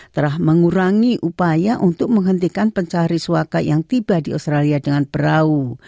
telah mengurangi upaya untuk menghentikan pencari suaka yang tiba di australia dengan perahu